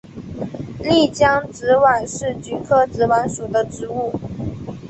丽江紫菀是菊科紫菀属的植物。